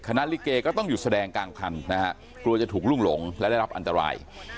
ลิเกก็ต้องหยุดแสดงกลางพันธุ์นะฮะกลัวจะถูกล่วงหลงและได้รับอันตราย